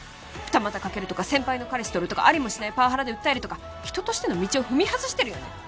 二股かけるとか先輩の彼氏とるとかありもしないパワハラで訴えるとか人としての道を踏み外してるよね